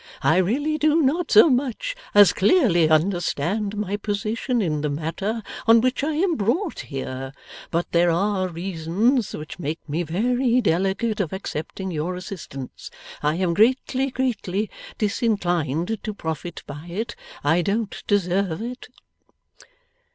I really do not so much as clearly understand my position in the matter on which I am brought here. But there are reasons which make me very delicate of accepting your assistance. I am greatly, greatly, disinclined to profit by it. I don't deserve it.